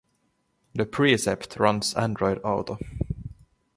The Precept runs Android Auto.